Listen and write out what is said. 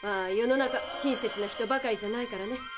世の中親切な人ばかりじゃないからね。